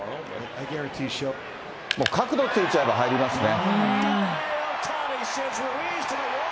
角度ついちゃえば入りますね。